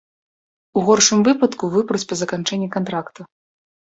У горшым выпадку выпруць па заканчэнні кантракта.